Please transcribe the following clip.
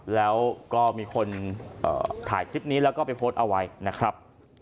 แล้วก็มีคนถ่ายคลิปนี้แล้วก็ไปโพสต์เอาไว้นะครับ